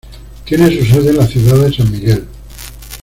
Tiene su sede en la ciudad de San Miguel.